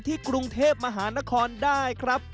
กรุงเทพมหานครได้ครับ